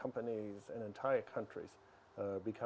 perusahaan dan negara negara